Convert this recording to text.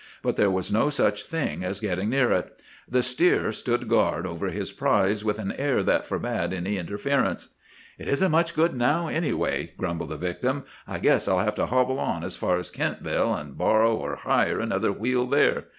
But there was no such thing as getting near it. The steer stood guard over his prize with an air that forbade any interference. "'It isn't much good now, anyway,' grumbled the victim. 'I guess I'll have to hobble on as far as Kentville, and borrow or hire another wheel there.